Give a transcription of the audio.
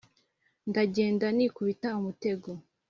ndagenda nikubita umutego,